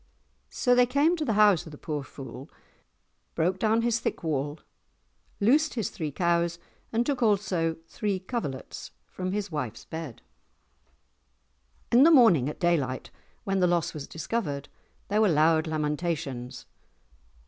So they came to the house of the poor fool, broke down his thick wall, loosed his three cows, and took also three coverlets from his wife's bed. In the morning at daylight when the loss was discovered, there were loud lamentations.